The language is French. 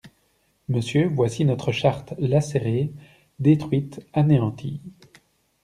Monsieur, voici notre Charte lacérée, détruite, anéantie!